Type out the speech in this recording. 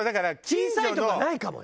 小さいとこはないかも。